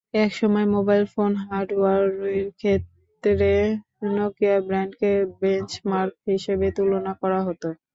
একসময় mobile phone হার্ডওয়্যারের ক্ষেত্রে নকিয়া ব্র্যান্ডকে বেঞ্চমার্ক হিসেবে তুলনা করা হতো।